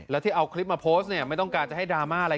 แล้วที่เอาคลิปมาโพสต์เนี่ยไม่ต้องการจะให้ดราม่าอะไร